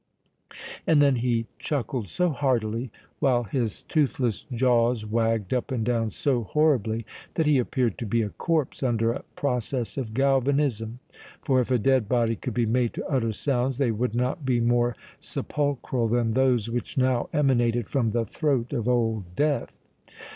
And then he chuckled so heartily, while his toothless jaws wagged up and down so horribly, that he appeared to be a corpse under a process of galvanism; for if a dead body could be made to utter sounds, they would not be more sepulchral than those which now emanated from the throat of Old Death.